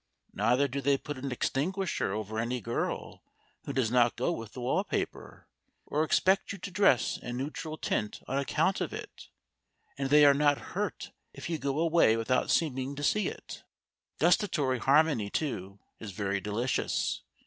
Neither do they put an extinguisher over any girl who does not go with the wall paper, or expect you to dress in neutral tint on account of it, and they are not hurt if you go away without seeming to see it. Gustatory harmony, too, is very delicious.